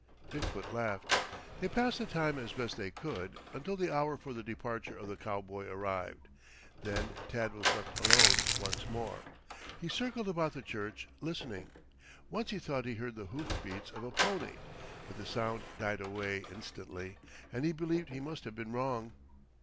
Big foot laughed. They passed the time as best they could until the hour for the departure of the cowboy arrived. Then Tad was left alone once more. He circled about the church, listening. Once he thought he heard the hoof beats of a pony. But the sound died away instantly, and he believed he must have been wrong.